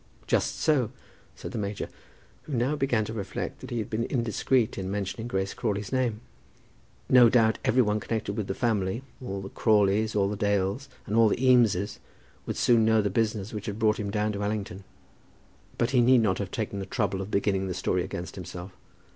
"Just so," said the major, who now began to reflect that he had been indiscreet in mentioning Grace Crawley's name. No doubt every one connected with the family, all the Crawleys, all the Dales, and all the Eameses, would soon know the business which had brought him down to Allington; but he need not have taken the trouble of beginning the story against himself.